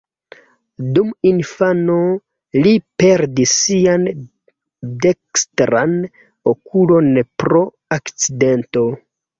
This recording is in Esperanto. Dum infano li perdis sian dekstran okulon pro akcidento.